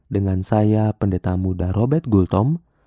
dengan saya pendeta muda robert gultom